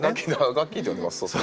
ガッキーって呼んでます。